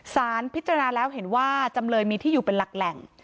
สารพิจารณาแล้วเห็นว่าจำเลยมีที่อยู่เป็นหลักแหล่ง